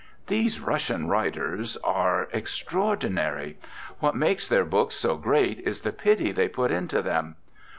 "These Russian writers are extraordi nary; what makes their books so great is the pity they put into them.